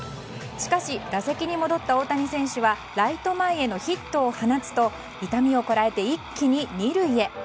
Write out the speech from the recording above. しかし、打席に戻った大谷選手はライト前へのヒットを放つと痛みをこらえて一気に２塁へ。